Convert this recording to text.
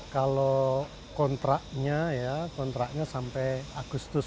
kalau kontraknya ya kontraknya sampai agustus dua ribu dua puluh tiga